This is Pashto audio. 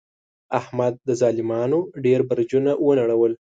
احمد د ظالمانو ډېر برجونه و نړول.